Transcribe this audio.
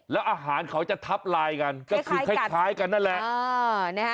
แล้วอาหารเขาจะทับลายกันก็คือคล้ายกันนั่นแหละ